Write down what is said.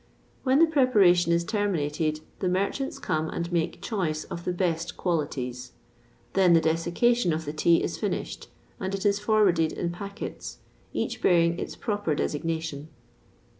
When the preparation is terminated, the merchants come and make choice of the best qualities; then the desiccation of the tea is finished, and it is forwarded in packets, each bearing its proper designation.